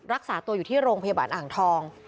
รักษาตัวอยู่ที่โรงพยาบาลอ่างทอง